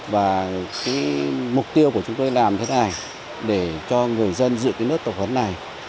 và cái mục tiêu của chúng tôi làm thế này để cho người dân dự cái lớp tập huấn này